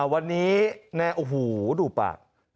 วันนี้โอ้โหดูปาก